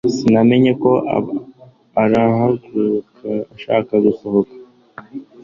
sinamenye arahaguruka, ashaka gusohoka